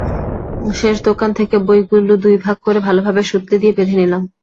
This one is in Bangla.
শেষ দোকান থেকে বইগুলি দুই ভাগ করে ভালোভাবে সুতলি দিয়ে বেঁধে নিলাম।